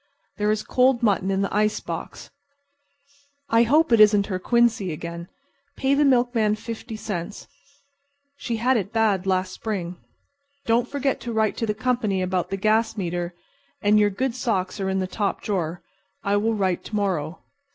There is cold mutton in the ice box. I hope it isn't her quinzy again. Pay the milkman 50 cents. She had it bad last spring. Don't forget to write to the company about the gas meter, and your good socks are in the top drawer. I will write to morrow.